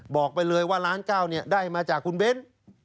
บอกไปเลยว่าล้านเก้าได้มาจากคุณเบ้น